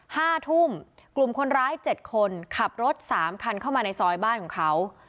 ห้าทุ่มกลุ่มคนร้ายเจ็ดคนขับรถสามคันเข้ามาในซอยบ้านของเขา